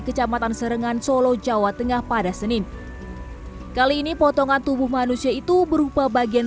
kecamatan serengan solo jawa tengah pada senin kali ini potongan tubuh manusia itu berupa bagian